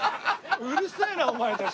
うるせえなお前たち